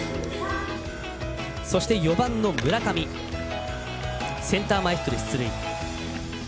４番の村上センター前ヒットで出塁。